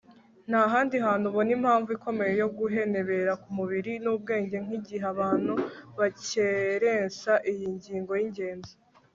nta handi hantu ubona impamvu ikomeye yo guhenebera k'umubiri n'ubwenge nk'igihe abantu bakerensa iyi ngingo y'ingenzi